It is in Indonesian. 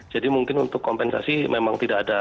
jadi mungkin untuk kompensasi memang tidak ada